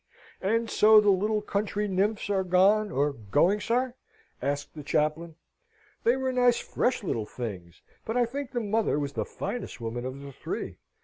"And so the little country nymphs are gone, or going, sir?" asked the chaplain. "They were nice, fresh little things; but I think the mother was the finest woman of the three.